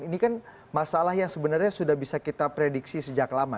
ini kan masalah yang sebenarnya sudah bisa kita prediksi sejak lama